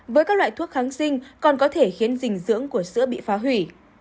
với các loại thuốc kháng sinh còn có thể khiến dinh dưỡng của sữa bị phá hủy